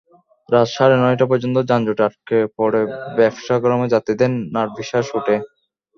রাত সাড়ে নয়টা পর্যন্ত যানজটে আটকা পড়ে ভ্যাপসা গরমে যাত্রীদের নাভিশ্বাস ওঠে।